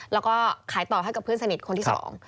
แล้วก็ขายต่อให้กับเพื่อนสนิทคนที่สอง